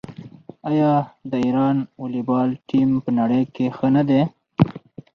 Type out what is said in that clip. آیا د ایران والیبال ټیم په نړۍ کې ښه نه دی؟